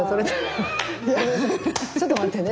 ちょっと待ってね。